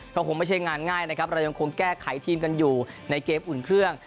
คงเป็นงานง่ายพยายามคงแก้ไขทีมกันอยู่ในเกมอุ่นเครื่อง